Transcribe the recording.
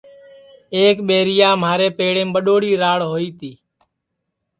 ایک ٻیریا مھارے پیڑیم ٻڈؔوڑی راڑ ہوئی تی